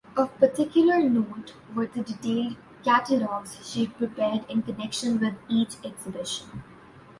Of particular note were the detailed catalogues she prepared in connection with each exhibition.